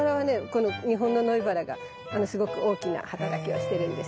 この日本のノイバラがすごく大きな働きをしてるんです。